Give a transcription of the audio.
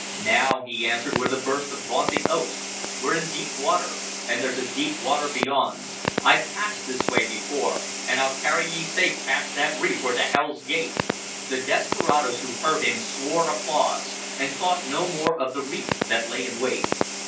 Now he answered with a burst of vaunting oaths: "We're in deep water, and there's deep water beyond. I've passed this way before, and I'll carry ye safe past that reef were 't hell's gate!" The desperadoes who heard him swore applause, and thought no more of the reef that lay in wait.